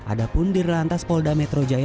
ada pun di rantas polda metro jaya